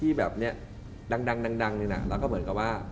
ที่แบบเนี่ยดังนี่นะแล้วก็เหมือนกับว่า